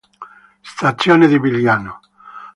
Stazione di Vigliano